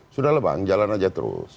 sudah lah bang jalan aja terus